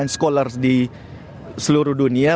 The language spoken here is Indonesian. scholars di seluruh dunia